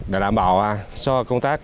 để đảm bảo cho công tác